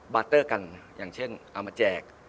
บาเตอร์กันอย่างเช่นเอามาแจก